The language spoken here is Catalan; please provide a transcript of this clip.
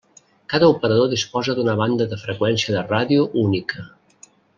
Cada operador disposa d'una banda de freqüència de ràdio única.